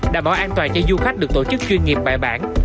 đảm bảo an toàn cho du khách được tổ chức chuyên nghiệp bài bản